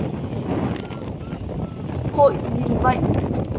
Hội gì vậy